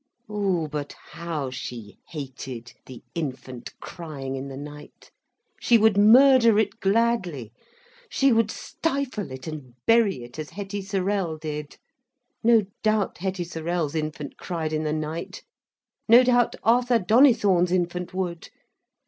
Ooh, but how she hated the infant crying in the night. She would murder it gladly. She would stifle it and bury it, as Hetty Sorrell did. No doubt Hetty Sorrell's infant cried in the night—no doubt Arthur Donnithorne's infant would.